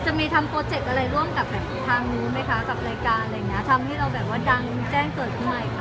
จะมีทำโปรเจคอะไรร่วมกับทางนู้นไหมคะกับรายการอะไรอย่างเงี้ยทำให้เราแบบว่าดังแจ้งเกิดขึ้นใหม่ค่ะ